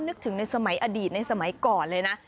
นึกถึงในสมัยอดีตในสมัยก่อนเลยนะ